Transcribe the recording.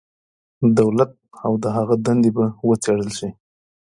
دولت او د هغه دندې به وڅېړل شي.